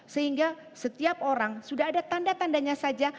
sehingga setiap orang sudah ada tanda tandanya saja